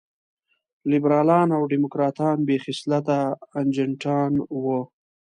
لېبرالان او ډيموکراټان بې خصلته اجنټان وو.